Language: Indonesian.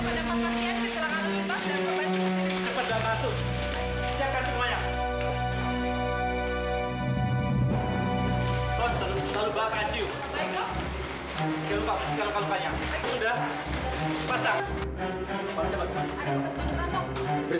saya gak mau tunggu mobil dereng